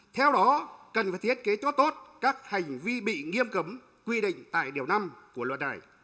theo đó cần phải thiết kế tốt các hành vi bị nghiêm cấm quy định tại điều năm của luật này